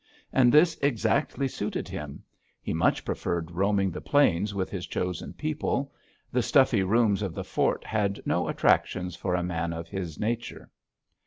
And this exactly suited him; he much preferred roaming the plains with his chosen people; the stuffy rooms of the Fort had no attractions for a man of his nature.